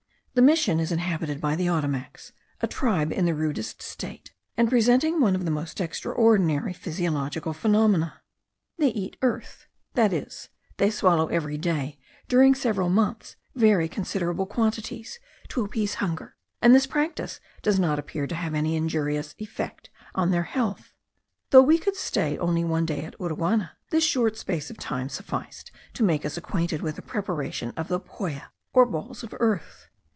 The mission is inhabited by the Ottomacs, a tribe in the rudest state, and presenting one of the most extraordinary physiological phenomena. They eat earth; that is, they swallow every day, during several months, very considerable quantities, to appease hunger, and this practice does not appear to have any injurious effect on their health. Though we could stay only one day at Uruana, this short space of time sufficed to make us acquainted with the preparation of the poya, or balls of earth.